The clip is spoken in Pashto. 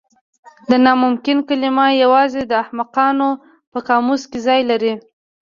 د ناممکن کلمه یوازې د احمقانو په قاموس کې ځای لري.